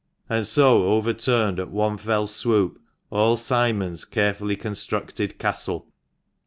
and so overturned, at one fell swoop, all Simon's carefully constructed castle.